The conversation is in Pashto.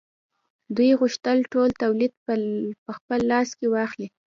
دوی غوښتل ټول تولید په خپل لاس کې واخلي